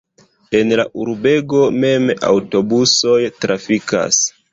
En la urbego mem aŭtobusoj trafikas.